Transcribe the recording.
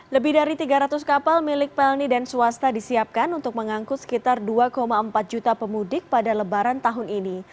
lebih dari tiga ratus kapal milik pelni dan swasta disiapkan untuk mengangkut sekitar dua empat juta pemudik pada lebaran tahun ini